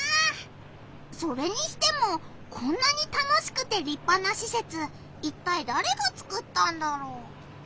それにしてもこんなに楽しくてりっぱなしせついったいだれがつくったんだろう？